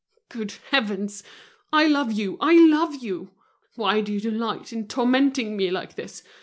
"Good heavens! I love you! I love you! Why do you delight in tormenting me like this?